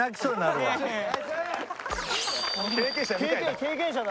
経験者だ。